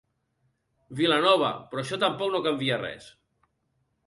Vilanova, però això tampoc no canvia res.